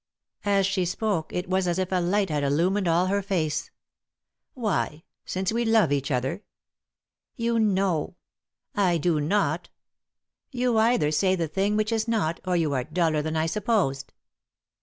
As she spoke it was as if a light had illumined all her face. " Why ?— Since we love each other ?" "You know." "I do not." " You either say the thing which is not, or you are duller than I supposed."